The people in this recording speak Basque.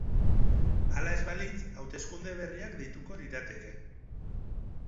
Hala ez balitz, hauteskunde berriak deituko lirateke.